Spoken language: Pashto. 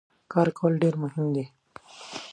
کار کول ډیر مهم دي.